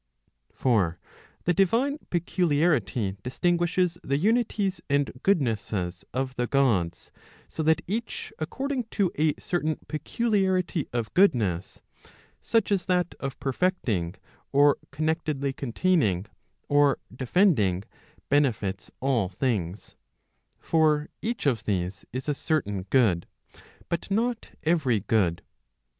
For the divine peculiarity distinguishes the unities and goodnesses of Digitized by t^OOQLe PROP. CXXX1V. cxxxv. OF THEOLOGY. 391 : the Gods, so that each according to a certain peculiarity of goodness, such as that of perfecting, or connectedly containing, or defending, benefits all things. For each of these is a certain good, but not every good.